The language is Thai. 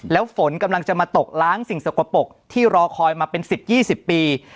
แล้วฝนกำลังจะมาตกล้างสิ่งสกปรกที่รอคอยมาเป็น๑๐๒๐ปี